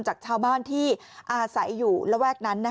จากชาวบ้านที่อาศัยอยู่ระแวกนั้น